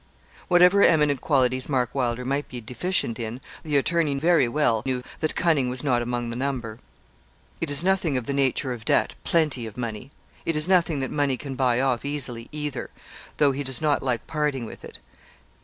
Whatever eminent qualities Mark Wylder might be deficient in, the attorney very well knew that cunning was not among the number. 'It is nothing of the nature of debt plenty of money. It is nothing that money can buy off easily either, though he does not like parting with it.